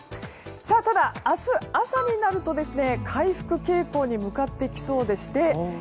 ただ、明日朝になると回復傾向に向かっていきそうでして